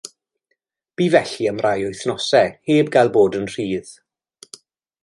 Bu felly am rai wythnosau, heb gael bod yn rhydd.